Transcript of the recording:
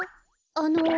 あの。